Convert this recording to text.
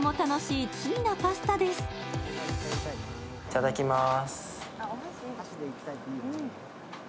いただきます。